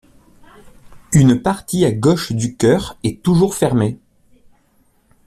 Une partie à gauche du coeur est toujours fermée.